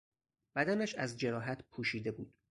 بدنش از جراحت پوشیده بود.